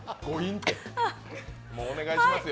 もうお願いしますよ。